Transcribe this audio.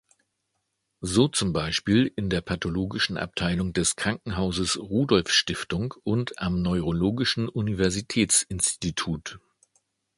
So zum Beispiel in der Pathologischen Abteilung des Krankenhauses Rudolfstiftung und am Neurologischen Universitätsinstitut.